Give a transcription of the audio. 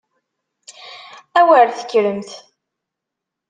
A wer tekkremt!